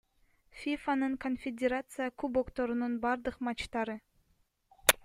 ФИФАнын Конфедерация кубокторунун бардык матчтары